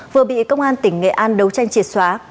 vừa bị công an tỉnh nghệ an đấu tranh triệt xóa